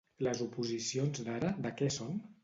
Les oposicions d'ara, de què són?